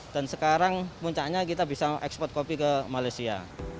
dan sekarang puncaknya kita bisa ekspor kopi ke malaysia